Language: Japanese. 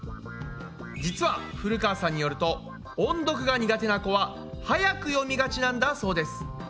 実は古川さんによると音読が苦手な子ははやく読みがちなんだそうです。